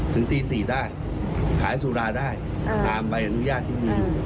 ถึงตี๔ได้ขายสุราได้ตามใบอนุญาตที่มีอยู่